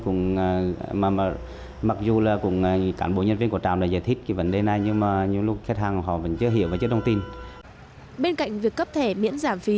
công ty cũng đã giải thích các vấn đề này